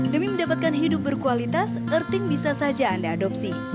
demi mendapatkan hidup berkualitas earthing bisa saja anda adopsi